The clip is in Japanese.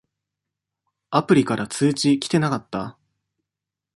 アプリから通知きてなかった？